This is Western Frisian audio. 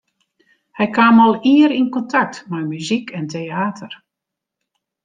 Hy kaam al ier yn kontakt mei muzyk en teäter.